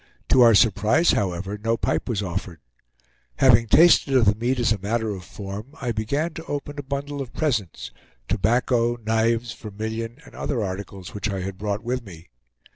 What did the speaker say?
To our surprise, however, no pipe was offered. Having tasted of the meat as a matter of form, I began to open a bundle of presents tobacco, knives, vermilion, and other articles which I had brought with me.